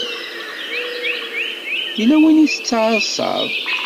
Yella win i tettɛasaḍ?